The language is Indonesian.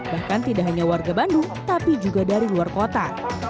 bahkan tidak hanya warga bandung tapi juga dari luar kota